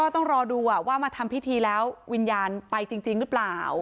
ต้องรอดูว่ามาทำพิธีแล้ววิญญาณไปจริงหรือเปล่า